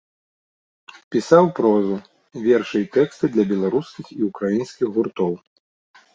Пісаў прозу, вершы і тэксты для беларускіх і ўкраінскіх гуртоў.